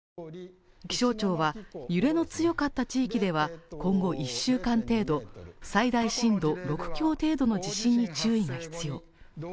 気象庁は揺れの強かった地域では今後１週間程度最大震度６強程度の地震に注意ことが必要。